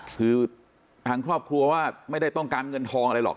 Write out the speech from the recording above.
คือทางครอบครัวว่าไม่ได้ต้องการเงินทองอะไรหรอก